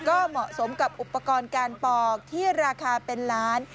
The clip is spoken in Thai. ก็เหมาะสมกับอุปกรณ์การปอกที่ราคาเป็นล้าน